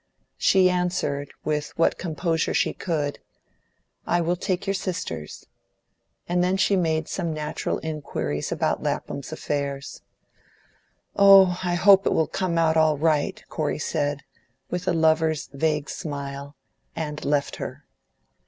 She answered, with what composure she could, "I will take your sisters," and then she made some natural inquiries about Lapham's affairs. "Oh, I hope it will come out all right," Corey said, with a lover's vague smile, and left her.